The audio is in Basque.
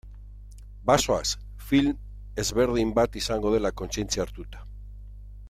Bazoaz, film ezberdin bat izango dela kontzientzia hartuta.